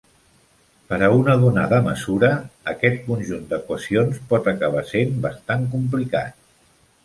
Per a una donada mesura, aquest conjunt d'equacions pot acabar sent bastant complicat.